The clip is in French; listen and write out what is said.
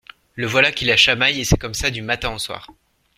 Le voilà qui la chamaille et c’est comme ça du matin au soir.